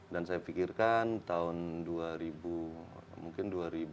dan saya pikirkan tahun dua ribu mungkin dua ribu